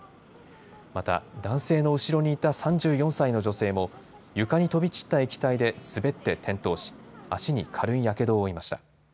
また男性の後ろにいた３４歳の女性も床に飛び散った液体で滑って転倒し、足に軽いやけどを負いました。